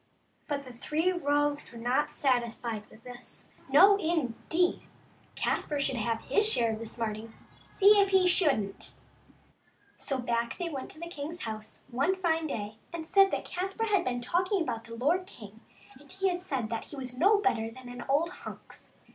But the three rogues were not satisfied with this. No, indeed ! Caspar should have his share of the smarting, see if he shouldn't ! So back they went to the king's house one fine day, and said that Caspar had been talking about the lord king, and had said that he was no better than an old hunks.